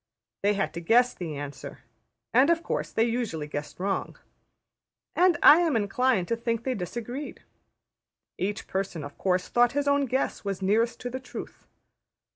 They had to guess the answer; and, of course, they usually guessed wrong. And I am inclined to think they disagreed. Each person, of course, thought his own guess was nearest to the truth.